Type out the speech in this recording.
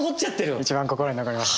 一番心に残りました。